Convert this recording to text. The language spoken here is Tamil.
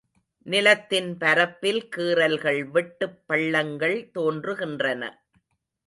நிலத்தின் பரப்பில் கீறல்கள், வெட்டுப் பள்ளங்கள் தோன்றுகின்றன.